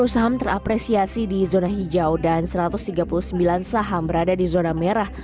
enam puluh saham terapresiasi di zona hijau dan satu ratus tiga puluh sembilan saham berada di zona merah